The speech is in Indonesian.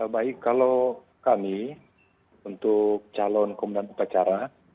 baik kalau kami untuk calon komandan upacara